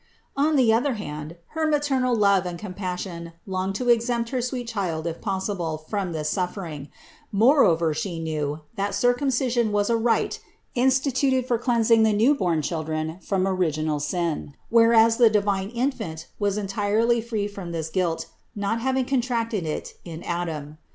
514. On the other hand her maternal love and com 432 THE INCARNATION 433 passion longed to exempt her sweet Child if possible, from this suffering; moreover She knew, that circum cision was a rite instituted for cleansing the newborn children from original sin, whereas the divine Infant was entirely free from this guilt, not having contracted it in Adam.